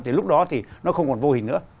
thì lúc đó thì nó không còn vô hình nữa